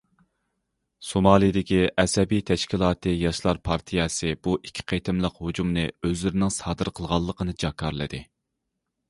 سومالىدىكى ئەسەبىي تەشكىلاتى ياشلار پارتىيەسى بۇ ئىككى قېتىملىق ھۇجۇمنى ئۆزلىرىنىڭ سادىر قىلغانلىقىنى جاكارلىدى.